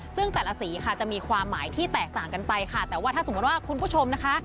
ซึ่งแต่ละสีค่ะจะมีความหมายที่แตกต่างกันไปค่ะแต่ว่าถ้าสมมติว่าคุณผู้ชมนะคะ